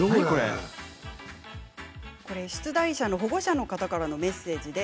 出題者の保護者の方からのメッセージです。